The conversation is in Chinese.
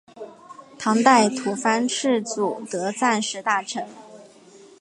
唐代吐蕃赤祖德赞时大臣。